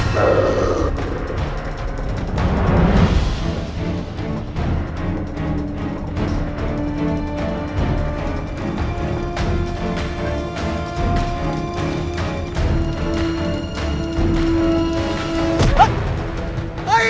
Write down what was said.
มาเร็วเร็วนี่